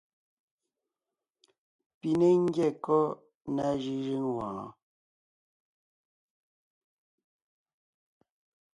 Pi ne ńgyɛ́ kɔ́ ná jʉ́jʉ́ŋ wɔɔn?